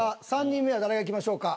３人目は誰がいきましょうか？